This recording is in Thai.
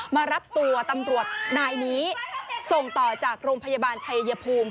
มารับตัวตำรวจนายนี้ส่งต่อจากโรงพยาบาลชัยภูมิ